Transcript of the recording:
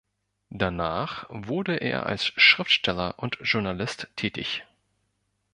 Danach wurde er als Schriftsteller und Journalist tätig.